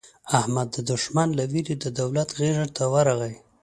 احمد د دوښمن له وېرې د دولت غېږې ته ورغی.